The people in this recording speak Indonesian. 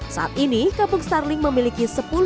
saat ini kampung starling memiliki sepuluh agen